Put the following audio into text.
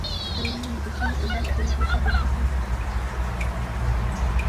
কেননা, এটি আমার অপরিহার্য কর্তব্য।